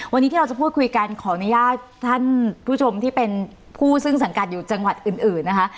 วันนี้ที่เราจะพูดคุยกันขออนุญาตท่านผู้ชมที่เป็นผู้ซึ่งสังกัดอยู่จังหวัดอื่นนะคะ